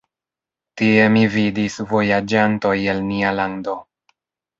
Tie mi vidis vojaĝantoj el nia lando.